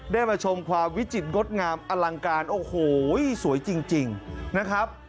มาชมความวิจิตรงดงามอลังการโอ้โหสวยจริงนะครับ